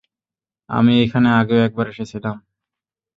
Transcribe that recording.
আমি এখানে আগেও একবার এসেছিলাম।